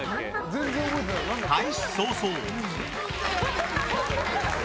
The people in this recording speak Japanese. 開始早々。